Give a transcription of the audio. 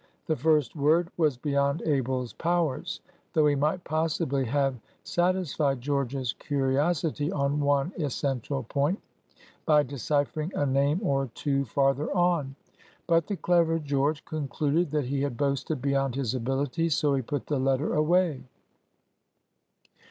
The first word was beyond Abel's powers, though he might possibly have satisfied George's curiosity on one essential point, by deciphering a name or two farther on. But the clever George concluded that he had boasted beyond his ability, so he put the letter away.